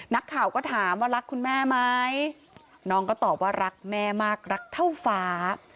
นักข่าวก็ถามว่ารักคุณแม่ไหมน้องก็ตอบว่ารักแม่มากรักเท่าฟ้า